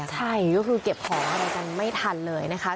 ใช่ก็คือเก็บของอะไรกันไม่ทันเลยนะคะ